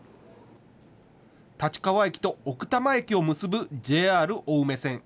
立川駅と奥多摩駅を結ぶＪＲ青梅線。